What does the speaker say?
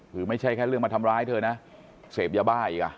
คือไม่ใช่แค่เรื่องมาทำร้ายเธอนะเสพยาบ้าอีกอ่ะ